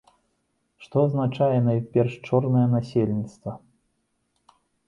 Што азначае найперш чорнае насельніцтва.